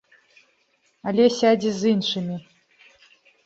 Але сядзе з іншымі.